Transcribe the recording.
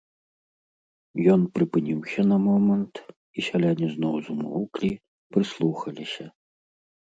Ён прыпыніўся на момант, і сяляне зноў змоўклі, прыслухаліся.